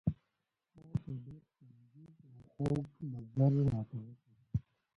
تا په ډېر تعجب او خوږ نظر راته وکتل.